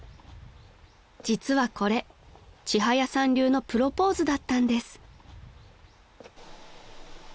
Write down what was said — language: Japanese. ［実はこれちはやさん流のプロポーズだったんです］